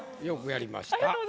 よくやりました。